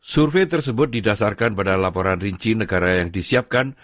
survei tersebut didasarkan pada laporan rinci negara yang disiapkan